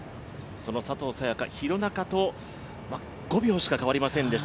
その佐藤早也伽、廣中と５秒しか変わりませんでした。